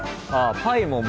パイも。